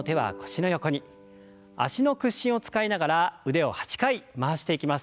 脚の屈伸を使いながら腕を８回回していきます。